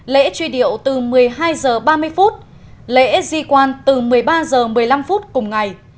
lễ truy điệu từ một mươi hai h ba mươi lễ di quan từ một mươi ba h một mươi năm phút cùng ngày